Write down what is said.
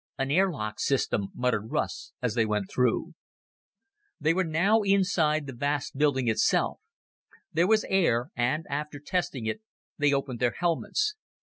"An air lock system," muttered Russ as they went through. They were now inside the vast building itself. There was air, and, after testing it, they opened their helmets.